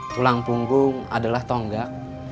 tulang punggung adalah tonggak